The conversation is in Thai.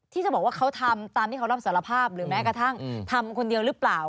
ที่จะบอกว่าเขาทำตามที่เขารับสารภาพหรือแม้กระทั่งทำคนเดียวหรือเปล่า